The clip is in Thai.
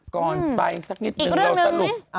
ก่อนไปสักนิดนึงเราสรุป